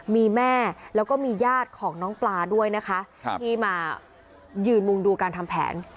มีแม่แล้วก็มีญาติของน้องปลาด้วยนะคะที่มายืนมุงดูการทำแผน